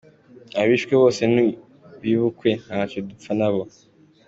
Abishwe bose ni bibukwe, ntacyo dupfa nabo.